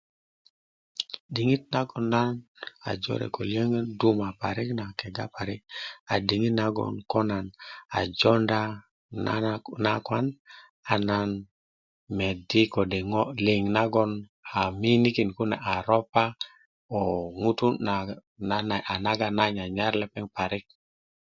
Diŋit nagoŋ nan a jore' ko lyöŋön duma' parik na, kega parik, a diŋit natioŋ ko nan a jowunda nakwan, a nan meddi' kode' ŋo' liŋ nagoŋ a miinikin kune a ropa , koo ŋutu' na an naga nan nyanyar lepeŋ parik